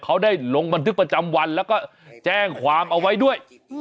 เขาได้ลงบันทึกประจำวันแล้วก็แจ้งความเอาไว้ด้วย